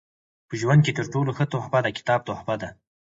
په ژوند کښي تر ټولو ښه تحفه د کتاب تحفه ده.